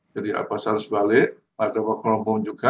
jadi apa seharusnya balik ada work from home juga